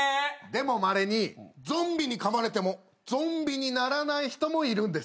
でもまれにゾンビにかまれてもゾンビにならない人もいるんですよ。